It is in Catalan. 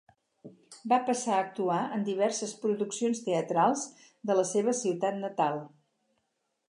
Va passar a actuar en diverses produccions teatrals de la seva ciutat natal.